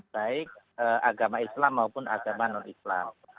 baik agama islam maupun agama non islam